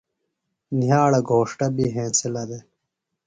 نِیھاڑہ گھوݜٹہ بیۡ ہنسِلہ دےۡ۔